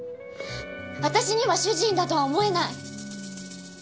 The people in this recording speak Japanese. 私には主人だとは思えない。